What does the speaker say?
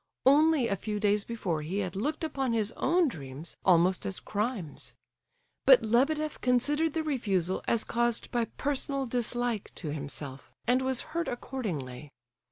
Only a few days before he had looked upon his own dreams almost as crimes. But Lebedeff considered the refusal as caused by personal dislike to himself, and was hurt accordingly.